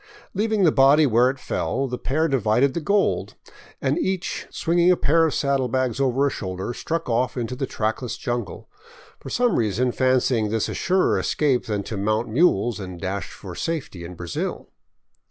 Leaving the body where it fell, the pair divided the gold, and each swinging a pair of saddlebags over a shoulder, struck off into the trackless jungle, for some reason fancying this a surer escape than to mount mules and dash for safety in Brazil.